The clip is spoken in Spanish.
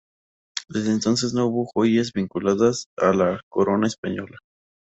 Desde entonces no hubo joyas vinculadas a la Corona española.